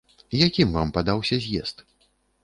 Якім вам падаўся з'езд?